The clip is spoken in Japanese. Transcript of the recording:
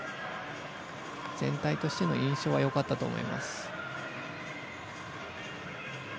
全体としての印象はよかったと思います。